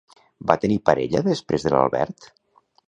Va tenir parella després de l'Albert?